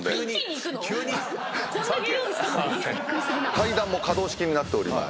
階段も可動式になっております。